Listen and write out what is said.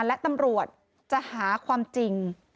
และตำรวจจะหาความจริง